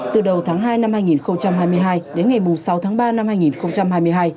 từ đầu tháng hai năm hai nghìn hai mươi hai đến ngày sáu tháng ba năm hai nghìn hai mươi hai